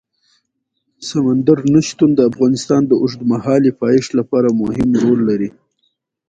سمندر نه شتون د افغانستان د اوږدمهاله پایښت لپاره مهم رول لري.